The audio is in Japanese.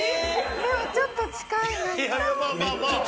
でもちょっと近いなんか。